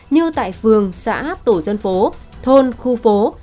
như tại phường xã tổ dân phố thôn khu phố